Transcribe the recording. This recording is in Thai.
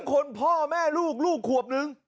คนพ่อแม่ลูกลูกขวบนึง